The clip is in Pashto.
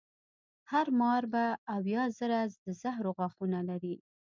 هر مار به اویا زره د زهرو غاښونه لري.